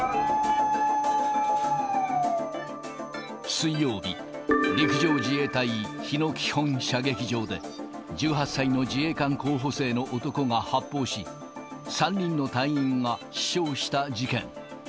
水曜日、陸上自衛隊日野基本射撃場で、１８歳の自衛官候補生の男が発砲し、３人の隊員が死傷した事件。